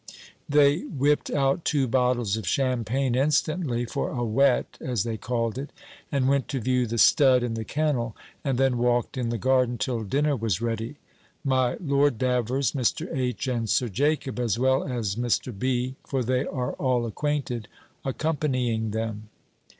They whipt out two bottles of champagne instantly, for a whet, as they called it; and went to view the stud and the kennel, and then walked in the garden till dinner was ready; my Lord Davers, Mr. H. and Sir Jacob, as well as Mr. B. (for they are all acquainted) accompanying them.